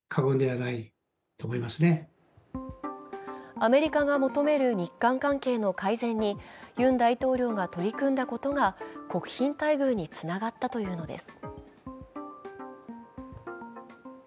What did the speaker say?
アメリカが求める日韓関係の改善にユン大統領が取り組んだことが国賓待遇につながったというのです。